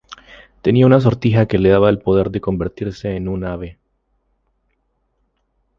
Tenía una sortija que le daba el poder de convertirse en un ave.